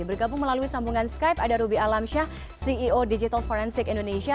bergabung melalui sambungan skype ada ruby alamsyah ceo digital forensik indonesia